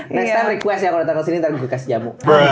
next time request ya kalo datang kesini nanti gue kasih jamu